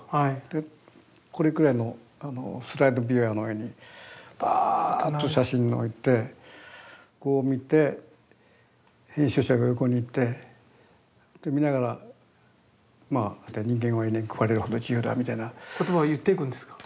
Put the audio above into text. でこれぐらいのスライドビューアーの上にバーッと写真を置いてこう見て編集者が横にいてで見ながら「ニンゲンは犬に食われるほど自由だ。」みたいな。言葉を言っていくんですか？